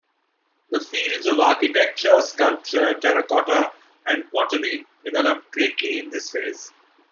The fields of architecture, sculpture, terra cotta, and pottery developed greatly in this phase.